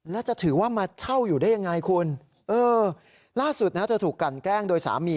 แล้วจะถือว่ามาเช่าอยู่ได้ยังไงคุณเออล่าสุดนะเธอถูกกันแกล้งโดยสามี